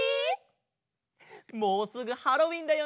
もうすぐハロウィーンだよね。